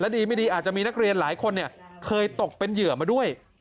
ดีไม่ดีอาจจะมีนักเรียนหลายคนเคยตกเป็นเหยื่อมาด้วย